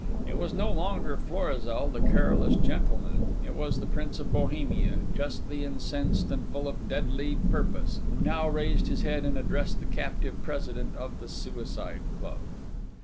It was no longer Florizel, the careless gentleman; it was the Prince of Bohemia, justly incensed and full of deadly purpose, who now raised his head and addressed the captive President of the Suicide Club.